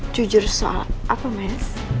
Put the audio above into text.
jujur soal apa mas